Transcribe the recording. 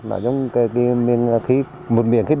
một miệng khí nổi một miệng khí no